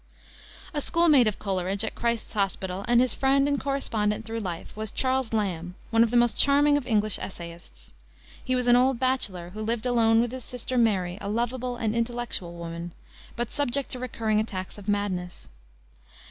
A schoolmate of Coleridge, at Christ's Hospital, and his friend and correspondent through life, was Charles Lamb, one of the most charming of English essayists. He was an old bachelor, who lived alone with his sister Mary a lovable and intellectual woman, but subject to recurring attacks of madness.